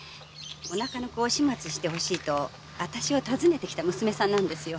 お腹の子を始末してほしいとあたしを訪ねてきた娘さんなんですよ。